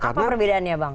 apa perbedaannya bang